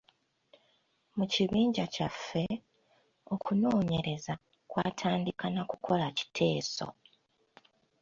Mu kibinja kyaffe, okunoonyereza kwatandika na kukola kiteeso.